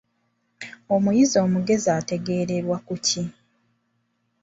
Omuyizi omugezi ategeererwa ku ki?